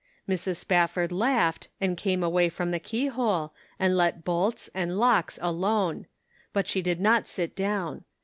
Mrs. Spafford laughed and came away from the key hole, and let bolts and locks alone ; but she did not sit down.